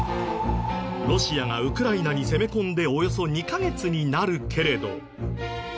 ロシアがウクライナに攻め込んでおよそ２カ月になるけれど。